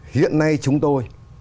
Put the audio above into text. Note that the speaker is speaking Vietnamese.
hiện nay chúng tôi